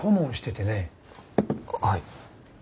はい。